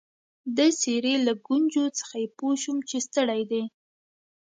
د څېرې له ګونجو څخه يې پوه شوم چي ستړی دی.